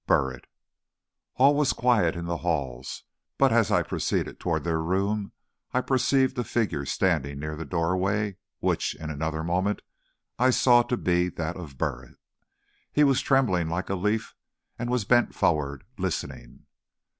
BURRITT. All was quiet in the halls, but as I proceeded toward their room I perceived a figure standing near the doorway, which, in another moment, I saw to be that of Burritt. He was trembling like a leaf, and was bent forward, listening.